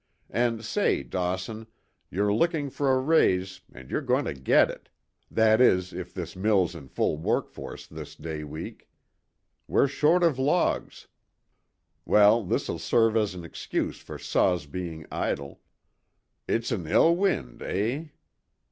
And say, Dawson, you're looking for a raise, and you're going to get it, that is if this mill's in full work this day week. We're short of logs well, this'll serve as an excuse for saws being idle. 'It's an ill wind,' eh?